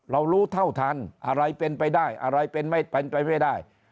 เรารู้เท่าทันอะไรเป็นไปได้อะไรเป็นไปไม่ได้